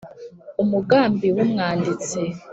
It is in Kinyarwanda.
Umugambi w’umwanditsi